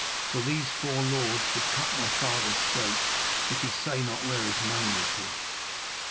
For these four lords would cut my father's throat if he say not where his money is hid.'